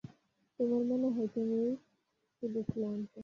তোমার মনে হয় তুমিই শুধু ক্লান্ত?